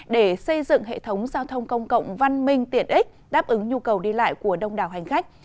để xây dựng hệ thống giao thông công cộng văn minh tiện ích đáp ứng nhu cầu đi lại của đông đảo hành khách